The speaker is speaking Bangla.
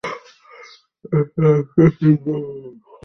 এটা একটা সিংহাসন।